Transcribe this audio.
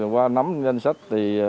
qua nắm danh sách